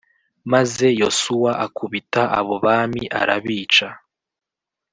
Maze Yosuwa akubita abo bami arabica